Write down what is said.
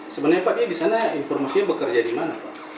sebenarnya pak dia di sana informasinya bekerja di mana